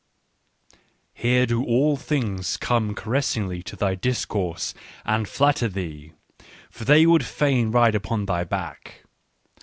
(" Here do all things I come caressingly to thy discourse and flatter thee, for they would fain ride upon thy back.